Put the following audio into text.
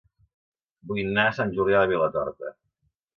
Vull anar a Sant Julià de Vilatorta